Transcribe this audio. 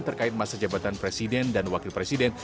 terkait masa jabatan presiden dan wakil presiden